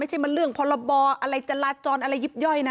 ไม่ใช่มันเรื่องพรบอะไรจราจรอะไรยิบย่อยนะ